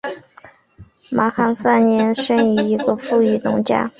马汉三生于一个富裕农家。